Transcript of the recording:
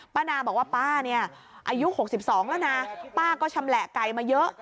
ป้านาบอกว่าป้าเนี่ยอายุ๖๒แล้วนะป้าก็ชำแหละไก่มาเยอะ